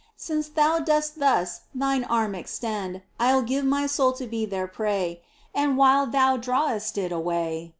Since Thou dost thus Thine arms extend I'll give my soul to be their prey, And while Thou drawest it away.